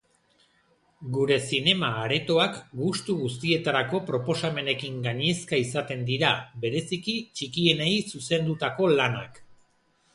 Gure zinema-aretoak gustu guztietarako proposamenekin gainezka izaten dira, bereziki txikienei zuzendutako lanak.